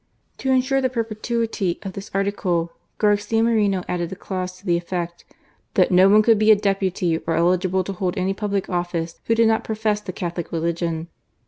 To ensure the perpetuity of this article, Garcia Moreno added a clause to the effect "that no one could be a deputy, or eligible to hold any public office, who did not profess the Catholic religion."